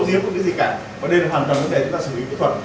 cũng biết việc này